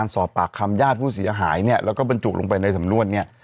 สอบปากคำญาติผู้เสียหายเนี่ยแล้วก็บรรจุลงไปในสำนวนเนี่ย